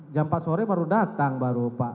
jam empat sore baru datang baru pak